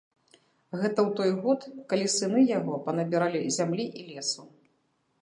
Гэта ў той год, калі сыны яго панабіралі зямлі і лесу.